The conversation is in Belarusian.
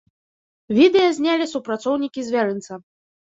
Відэа знялі супрацоўнікі звярынца.